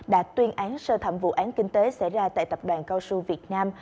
đã tuyên án sơ thẩm vụ án kinh tế xảy ra tại tập đoàn cao su việt nam